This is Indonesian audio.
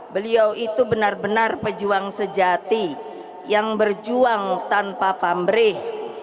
beliau itu benar benar pejuang sejati yang berjuang tanpa pamrih